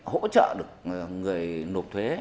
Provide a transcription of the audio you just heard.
hỗ trợ được người nộp thuế